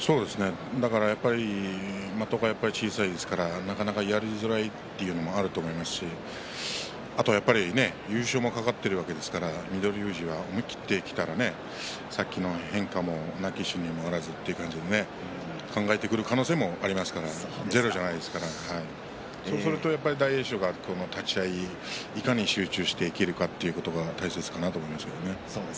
だから、やっぱり的が小さいですからなかなかやりづらいというのもあると思いますしあとは、やっぱり優勝も懸かっているわけですから翠富士ら思い切っていったらさっきの変化もなきにしもあらずという感じでね考えてくる可能性もありますからゼロじゃないですからそうするとやっぱり大栄翔が立ち合いいかに集中していけるかということが大切だなと思いますよね。